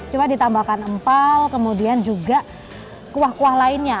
coba ditambahkan empal kemudian juga kuah kuah lainnya